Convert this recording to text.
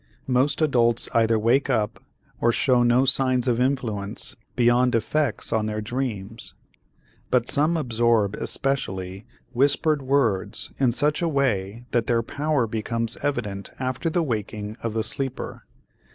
Most adults either wake up or show no signs of influence beyond effects on their dreams. But some absorb especially whispered words in such a way that their power becomes evident after the waking of the sleeper.